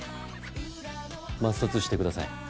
抹殺してください。